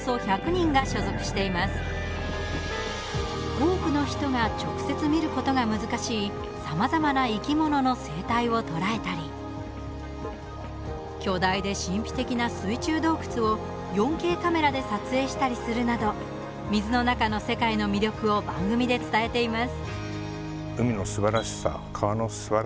多くの人が直接見ることが難しいさまざまな生き物の生態を捉えたり巨大で神秘的な水中洞窟を４Ｋカメラで撮影したりするなど水の中の世界の魅力を番組で伝えています。